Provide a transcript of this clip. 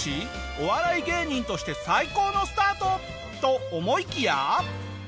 お笑い芸人として最高のスタートと思いきや。